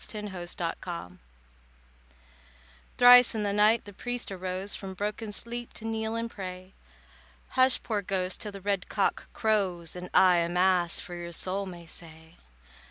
THE PRIEST'S BROTHER Thrice in the night the priest arose From broken sleep to kneel and pray. "Hush, poor ghost, till the red cock crows, And I a Mass for your soul may say."